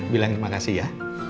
bilang terima kasih ya